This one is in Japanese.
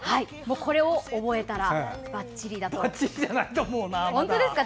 これを覚えたらばっちりだと。